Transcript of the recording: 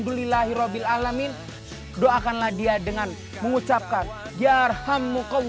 doakanlah dia dengan mengucapkan